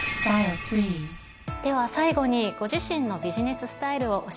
では最後にご自身のビジネススタイルを教えてください。